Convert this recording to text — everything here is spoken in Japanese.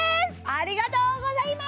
ありがとうございます！